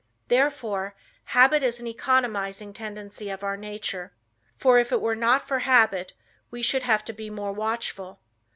Therefore habit is an economizing tendency of our nature, for if it were not for habit we should have to be more watchful.